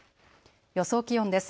予想気温です。